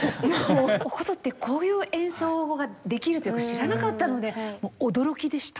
お箏ってこういう演奏ができるっていうのを知らなかったのでもう驚きでした。